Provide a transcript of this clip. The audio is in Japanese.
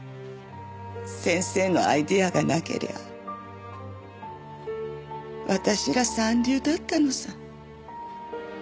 先生のアイデアがなけりゃ私ら三流だったのさ。